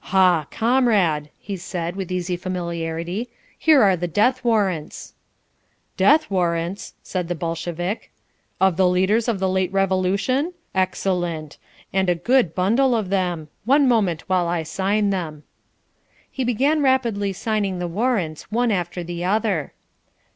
"Ha! comrade!" he said, with easy familiarity. "Here are the death warrants!" "Death warrants!" said the Bolshevik. "Of the leaders of the late Revolution? Excellent! And a good bundle of them! One moment while I sign them." He began rapidly signing the warrants, one after the other.